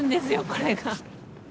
これが。